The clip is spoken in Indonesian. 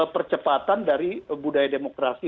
percepatan dari budaya demokrasi